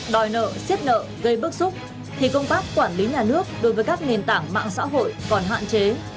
đòi nợ xiết nợ gây bức xúc thì công tác quản lý nhà nước đối với các nền tảng mạng xã hội còn hạn chế